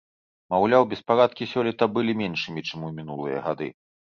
Маўляў, беспарадкі сёлета былі меншымі, чым у мінулыя гады.